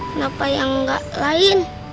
kenapa yang gak lain